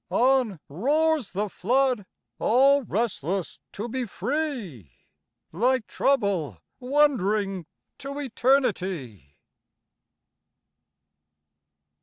On roars the flood, all restless to be free, Like Trouble wandering to Eternity.